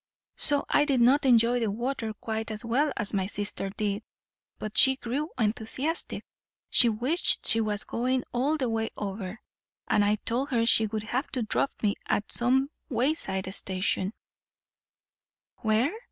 So I did not enjoy the water quite as well as my sister did. But she grew enthusiastic; she wished she was going all the way over, and I told her she would have to drop me at some wayside station " "Where?"